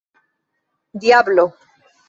diablo